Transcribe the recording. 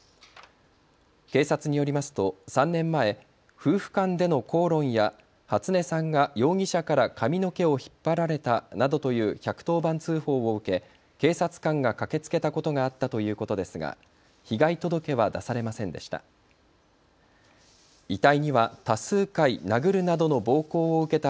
警察によりますと３年前、夫婦間での口論や初音さんが容疑者から髪の毛を引っ張られたなどという１１０番通報を受け警察官が駆けつけたことがあったということですが被害届は出されませんでした。